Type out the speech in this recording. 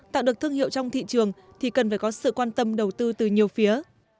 tạo được thương hiệu trong thị trường thì cần phải có sự quan tâm đầu tư từ nhiều phía